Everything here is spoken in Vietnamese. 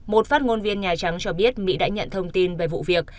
một phát ngôn viên nhà trắng cho biết mỹ đã nhận thông tin về vụ việc